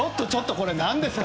これ何ですか？